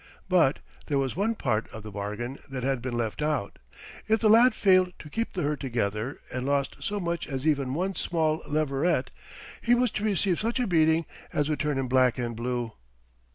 But there was one part of the bargain that had been left out. If the lad failed to keep the herd together and lost so much as even one small leveret, he was to receive such a beating as would turn him black and blue.